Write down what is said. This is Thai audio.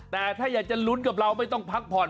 แต่ถ้าอยากจะลุ้นกับเราไม่ต้องพักผ่อน